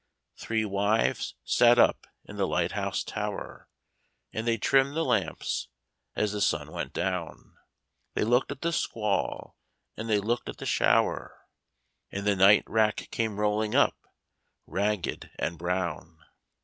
Three wives sat up in the lighthouse tower, And they trimmed the lamps as the sun went down; They looked at the squall, and they looked at the shower, And the night rack came rolling up ragged and brown.